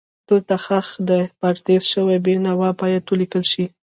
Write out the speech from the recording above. دلته ښخ دی پردیس شوی بېنوا باید ولیکل شي.